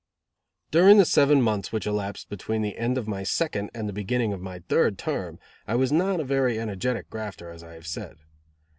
During the seven months which elapsed between the end of my second, and the beginning of my third term, I was not a very energetic grafter, as I have said.